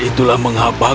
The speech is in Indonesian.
itu kamu tahu